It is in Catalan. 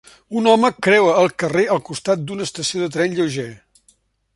Un home creua el carrer al costat d'una estació de tren lleuger.